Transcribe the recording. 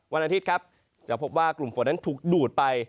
วันอาทิตย์ครับจะพบว่ากลุ่มฝนนั้นถูกดูดไป